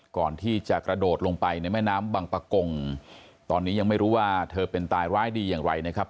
ก่อนที่จะกระโดดลงไปในแม่น้ำบังปะกงตอนนี้ยังไม่รู้ว่าเธอเป็นตายร้ายดีอย่างไรนะครับ